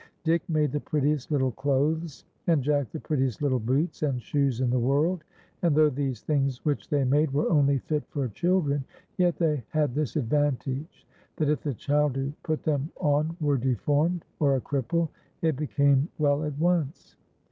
Dick made the prettiest little clothes, and Jack the prettiest little boots and shoes in the world, and though these things which the}' made were only fit for children, }'et the} had this advantage, that if the child who put them on were deformed, or a cripple, it became well at once.